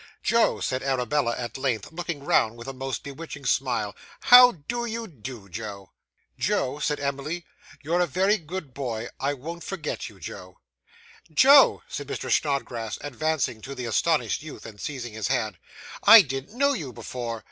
'Joe,' said Arabella, at length, looking round with a most bewitching smile, 'how do you do, Joe?' 'Joe,' said Emily, 'you're a very good boy; I won't forget you, Joe.' 'Joe,' said Mr. Snodgrass, advancing to the astonished youth, and seizing his hand, 'I didn't know you before.